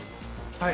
はい。